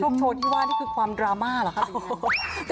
โชว์ที่ว่านี่คือความดราม่าเหรอคะ